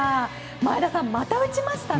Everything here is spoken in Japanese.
前田さん、また打ちましたね。